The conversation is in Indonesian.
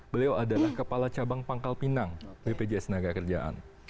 beliau adalah kepala cabang pangkal pinang bpjs ketenagakerjaan